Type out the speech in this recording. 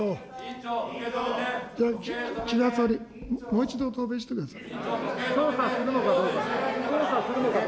もう一度、答弁してください。